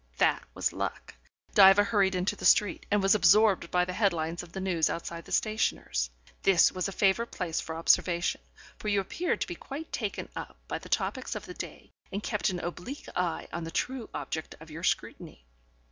That was luck. Diva hurried into the street, and was absorbed by the headlines of the news outside the stationer's. This was a favourite place for observation, for you appeared to be quite taken up by the topics of the day, and kept an oblique eye on the true object of your scrutiny.